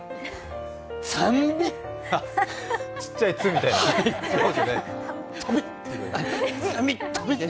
ちっちゃい「っ」みたいなね。